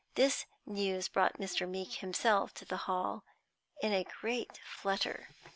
This news brought Mr. Meeke himself to the Hall in a great flutter.